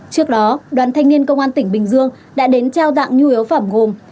trước đó đoàn thanh niên công an tỉnh bình dương đã đến trao tặng nhu yếu phẩm gồm